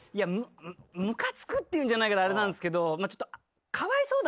ムカつくっていうんじゃないからあれなんですけどちょっと。